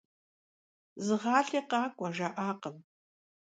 Zığalh'i khak'ue jja'akhım.